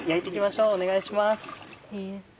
お願いします。